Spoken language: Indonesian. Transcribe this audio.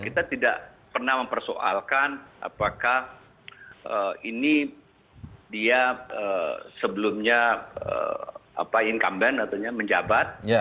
kita tidak pernah mempersoalkan apakah ini dia sebelumnya incumbent atau menjabat